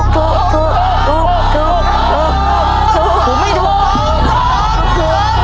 ถูกไม่ถูก